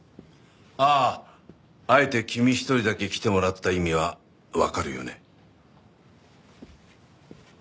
あああえて君一人だけ来てもらった意味はわかるよね？